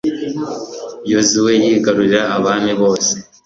yozuwe yigarurira abami baho bose